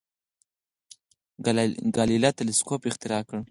ګالیله تلسکوپ اختراع کړ.